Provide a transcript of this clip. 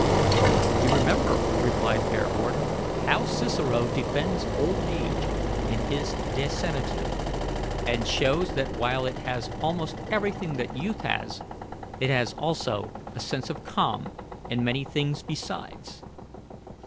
"You remember," replied Bearwarden, "how Cicero defends old age in his De Senectute, and shows that while it has almost everything that youth has, it has also a sense of calm and many things besides."